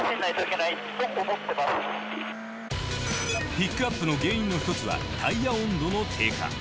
ピックアップの原因の一つはタイヤ温度の低下。